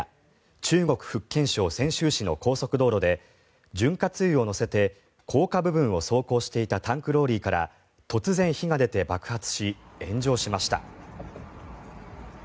中国・福建省泉州市の高速道路で潤滑油を載せて高架部分を走行していたタンクローリーから突然、火が出て爆発し炎上しました。